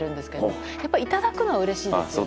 やっぱりいただくのはうれしいですよね。